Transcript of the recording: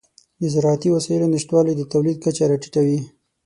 د زراعتي وسایلو نشتوالی د تولید کچه راټیټوي.